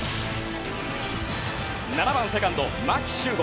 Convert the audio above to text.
７番セカンド、牧秀悟。